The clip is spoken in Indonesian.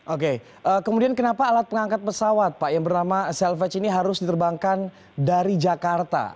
oke kemudian kenapa alat pengangkat pesawat pak yang bernama salvage ini harus diterbangkan dari jakarta